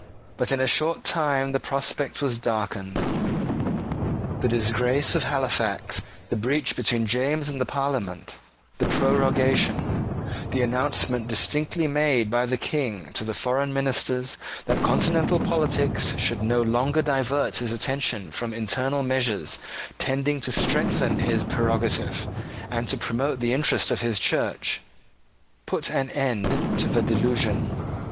But in a short time the prospect was darkened. The disgrace of Halifax, the breach between James and the Parliament, the prorogation: the announcement distinctly made by the King to the foreign ministers that continental politics should no longer divert his attention from internal measures tending to strengthen his prerogative and to promote the interest of his Church, put an end to the delusion.